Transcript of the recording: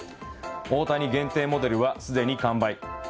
大谷限定モデルはすでに完売。